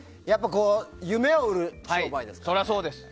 夢を売る商売ですからね。